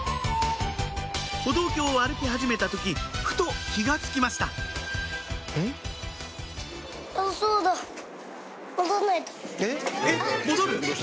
歩道橋を歩き始めた時ふと気が付きましたえっ戻る？